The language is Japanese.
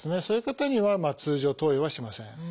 そういう方には通常投与はしません。